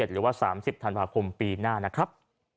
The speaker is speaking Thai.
หรือว่า๓๐ธันวาคมปีหน้านะครับ